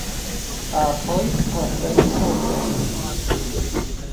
ابرهایی که ته رنگ سرخ داشتند.